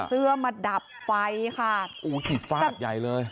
ถอดเสื้อมาดับไฟค่ะโอ้โหหยิบฟาดใหญ่เลย